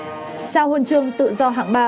trao huân chương tự do hạng ba